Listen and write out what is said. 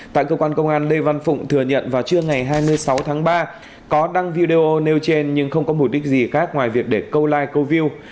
tại cơ quan công an lê văn phụng thừa nhận vào trưa ngày hai mươi sáu tháng ba có đăng video nêu trên nhưng không có mục đích gì khác ngoài việc để câu like câu view